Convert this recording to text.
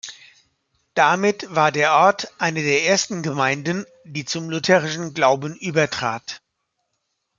Damit war der Ort eine der ersten Gemeinden, die zum lutherischen Glauben übertrat.